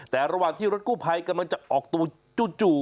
แต่ระหว่างที่รถกู้ภัยกำลังจะออกตัวจู่